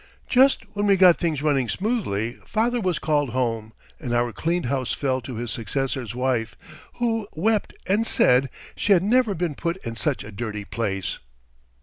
Just when we got things running smoothly, father was called home, and our cleaned house fell to his successor's wife, who wept and said she had never been put in such a dirty place.